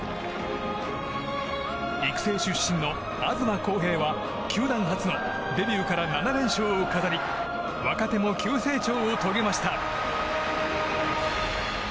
育成出身の東晃平は球団初のデビューから７連勝を飾り若手も急成長を遂げました。